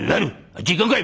あっち行かんかい！」。